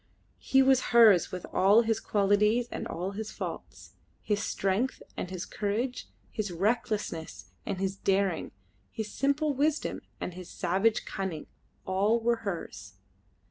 He was hers with all his qualities and all his faults. His strength and his courage, his recklessness and his daring, his simple wisdom and his savage cunning all were hers.